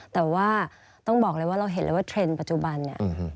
แต่ว่าต้องบอกเลยว่าเราเห็นเลยว่าเทรนด์ปัจจุบันเนี่ย